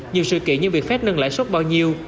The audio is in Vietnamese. nhiều sự kiện như việc phép nâng lãi suất bao nhiêu